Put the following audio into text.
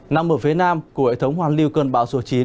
nằm ở phía nam của hệ thống hoàn lưu cơn bão số chín